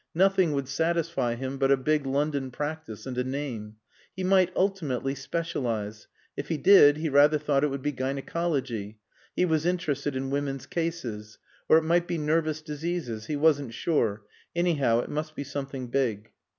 Nothing would satisfy him but a big London practice and a name. He might ultimately specialise. If he did he rather thought it would be gynæcology. He was interested in women's cases. Or it might be nervous diseases. He wasn't sure. Anyhow, it must be something big.